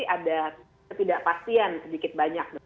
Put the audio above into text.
ada ketidakpastian sedikit banyak